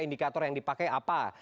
indikator yang dipakai apa